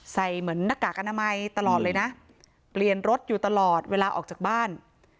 เหมือนหน้ากากอนามัยตลอดเลยนะเปลี่ยนรถอยู่ตลอดเวลาออกจากบ้าน